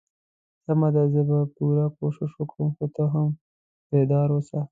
سمه ده زه به پوره کوشش وکړم خو ته هم بیدار اوسه.